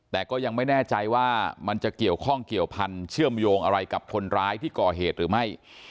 แต่ก็ยังไม่แน่ใจว่ามันจะเกี่ยวข้องเกี่ยวพันธ์เชื่อมโยงอะไรกับคนร้ายที่ก่อเหตุหรือไม่